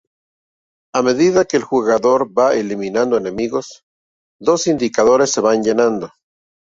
A medida que el jugador va eliminando enemigos, dos indicadores se van llenando.